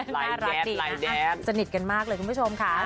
น่ารักดีนะสนิทกันมากเลยคุณผู้ชมค่ะ